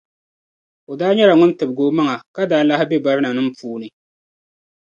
O daa nyɛla ŋun tibgi o maŋa, ka daa lahi be barinanim’ puuni.